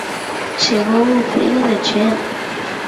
Chegou o frío de cheo.